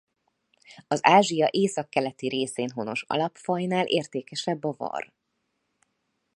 Az Ázsia északkeleti részén honos alapfajnál értékesebb a var.